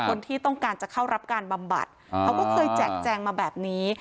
คนที่ต้องการจะเข้ารับการบำบัดเขาก็เคยแจกแจงมาแบบนี้